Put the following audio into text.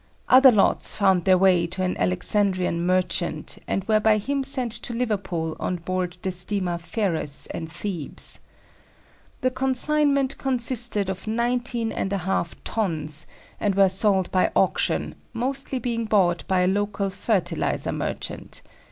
Other lots found their way to an Alexandrian merchant, and were by him sent to Liverpool on board the steamer Pharos and Thebes. The consignment consisted of 19½ tons, and were sold by auction, mostly being bought by a local "fertiliser" merchant.